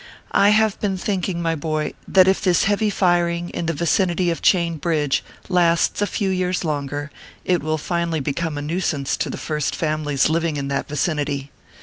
I have been think ing, my boy, that if this heavy firing in the vicinity of Chain Bridge lasts a few years longer, it will finally become a nuisance to the First Families living in that vicinity.